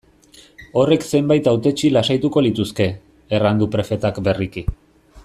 Horrek zenbait hautetsi lasaituko lituzke, erran du prefetak berriki.